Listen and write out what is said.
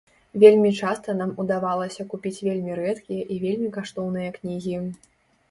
Вельмі часта нам удавалася купіць вельмі рэдкія і вельмі каштоўныя кнігі.